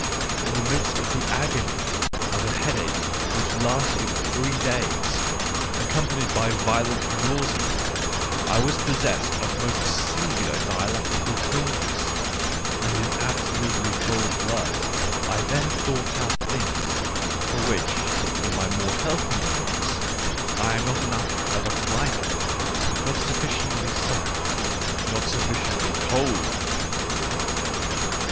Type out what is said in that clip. In the midst of the agony of a headache which lasted three days, accompanied by violent nausea, I was possessed of most singular dialectical clearness, and in absolutely cold blood I then thought out things, for which, in my more healthy moments, I am not enough of a climber, not sufficiently subtle, not sufficiently cold.